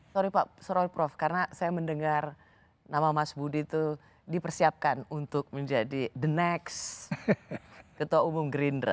sorry pak sorot prof karena saya mendengar nama mas budi itu dipersiapkan untuk menjadi the next ketua umum gerindra